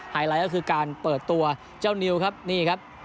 ไลท์ก็คือการเปิดตัวเจ้านิวครับนี่ครับ